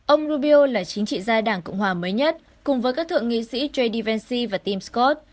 ông rubio là chính trị gia đảng cộng hòa mới nhất cùng với các thượng nghị sĩ j d vancey và tim scott